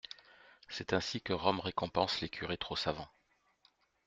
C'est ainsi que Rome récompense les curés trop savants.